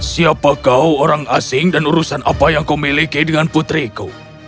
siapa kau orang asing dan urusan apa yang kau miliki dengan putriku